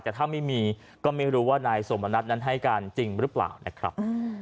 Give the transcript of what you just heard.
แต่ถ้าไม่มีก็ไม่รู้ว่านายสมนัทนั้นให้การจริงหรือเปล่านะครับ